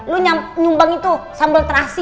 lu nyumbang itu sambal terasi